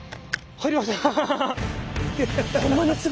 入りました！